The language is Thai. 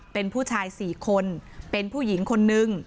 เป็นผู้ชาย๔คนเป็นผู้หญิงคนนึง